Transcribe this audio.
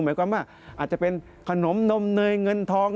หมายความว่าอาจจะเป็นขนมนมเนยเงินทอง